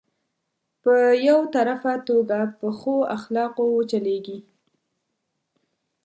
په يو طرفه توګه په ښو اخلاقو وچلېږي.